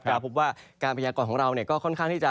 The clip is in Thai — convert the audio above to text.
การพยายามก่อนของเราก็ค่อนข้างที่จะ